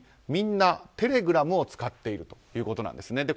みんなテレグラムを使っているということなんですね。